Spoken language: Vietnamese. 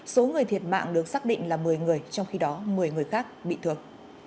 số người thiệt mạng được xác định là một mươi người trong khi đó một mươi người khác bị thương